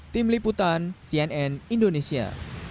tim liputan cnn indonesia